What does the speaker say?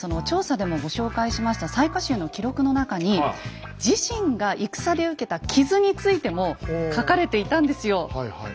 調査でもご紹介しました雑賀衆の記録の中に自身が戦で受けた傷についても書かれていたんですよ。